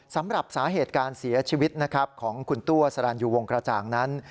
สำหรับสาเหตุการเสียชีวิตนะครับของคุณตัวสรรยูวงกระจ่างนั้น